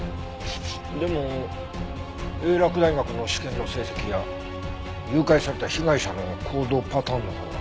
でも英洛大学の試験の成績や誘拐された被害者の行動パターンのほうは？